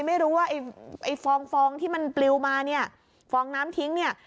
ไม่รู้ว่าไอ้ไอ้ฟองฟองที่มันปลิวมาเนี่ยฟองน้ำทิ้งเนี่ย